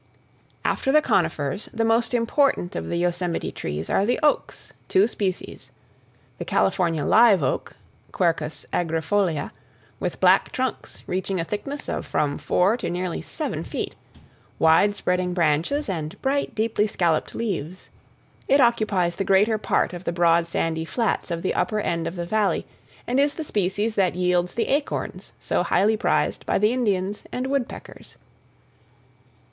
After the conifers, the most important of the Yosemite trees are the oaks, two species; the California live oak (Quercus agrifolia), with black trunks, reaching a thickness of from four to nearly seven feet, wide spreading branches and bright deeply scalloped leaves. It occupies the greater part of the broad sandy flats of the upper end of the Valley, and is the species that yields the acorns so highly prized by the Indians and woodpeckers.